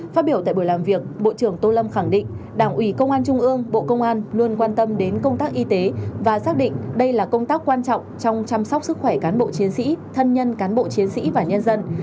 phát biểu tại buổi làm việc bộ trưởng tô lâm khẳng định đảng ủy công an trung ương bộ công an luôn quan tâm đến công tác y tế và xác định đây là công tác quan trọng trong chăm sóc sức khỏe cán bộ chiến sĩ thân nhân cán bộ chiến sĩ và nhân dân